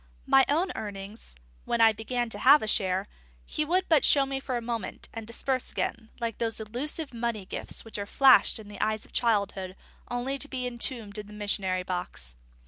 My own earnings, when I began to have a share, he would but show me for a moment, and disperse again, like those illusive money gifts which are flashed in the eyes of childhood only to be entombed in the missionary box.